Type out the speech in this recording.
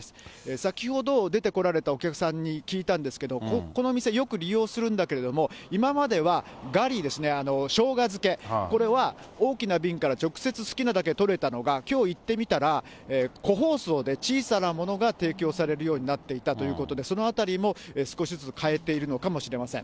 先ほど出てこられたお客さんに聞いたんですけど、この店、よく利用するんだけれども、今まではガリですね、ショウガ漬け、これは大きな瓶から直接好きなだけ取れたのが、きょう行ってみたら、個包装で小さなものが提供されるようになっていたということで、そのあたりも少しずつ変えているのかもしれません。